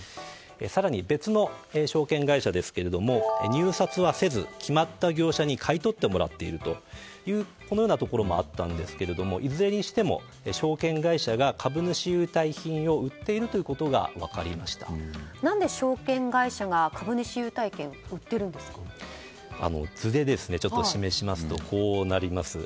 更に別の証券会社ですけれども入札はせず決まった業者に買い取ってもらっているというところもあったんですがいずれにしても証券会社が株主優待品を売っていることが何で証券会社が株主優待券を図で示しますとこうなります。